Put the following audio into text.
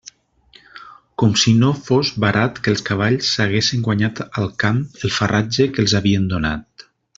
Com si no fos barat que els cavalls s'haguessen guanyat al camp el farratge que els havien donat.